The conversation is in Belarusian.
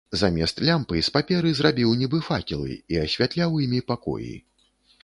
Замест лямпы з паперы зрабіў нібы факелы і асвятляў імі пакоі.